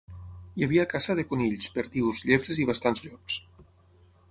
Hi havia caça de conills, perdius, llebres i bastants llops.